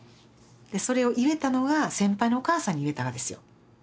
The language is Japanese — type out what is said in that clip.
それを言えたのが先輩のお母さんに言えたがですよ。